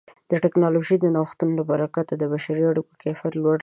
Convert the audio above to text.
د ټکنالوژۍ د نوښتونو له برکت څخه د بشري اړیکو کیفیت لوړ شوی دی.